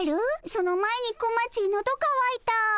その前に小町のどかわいた。